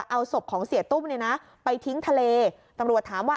เอาศพของเสียตุ้มเนี่ยนะไปทิ้งทะเลตำรวจถามว่า